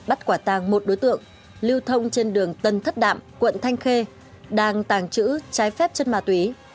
bắt quả tàng một đối tượng lưu thông trên đường tân thất đạm quận thanh khê đang tàng trữ trái phép chất ma túy